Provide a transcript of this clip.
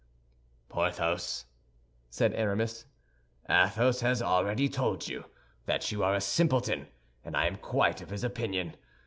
"Porthos," said Aramis, "Athos has already told you that you are a simpleton, and I am quite of his opinion.